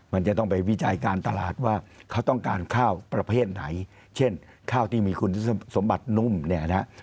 มันจะต้องไปวิจัยการตลาดว่าเขาต้องการข้าวประเภทไหนเช่นข้าวที่มีคุณสมบัตินุ่มเนี่ยนะฮะ